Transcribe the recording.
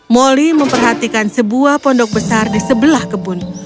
moli memperhatikan sebuah pondok besar di sebelah kebun